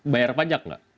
bayar pajak nggak